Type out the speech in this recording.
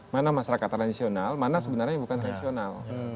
mana masyarakat tradisional mana sebenarnya yang bukan tradisional